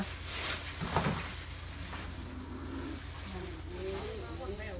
มันต้องถ่ายกู